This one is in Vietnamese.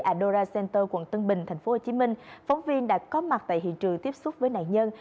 tại đôra center quận tân bình tp hcm phóng viên đã có mặt tại hiện trường tiếp xúc với nạn nhân